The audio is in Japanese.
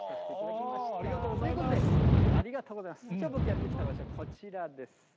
きょう、僕やって来た場所はこちらです。